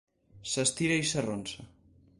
S'estira i s'arronsa.